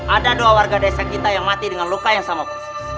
ada dua warga desa kita yang mati dengan luka yang sama persis